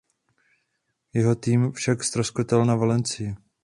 Jeho tým však ztroskotal na Valencii.